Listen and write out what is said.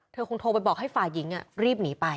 เธอคงโทรไปบอกให้ฝ่ายิงอ่ะรีบหนีไป